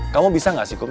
kamu bisa gak sih kum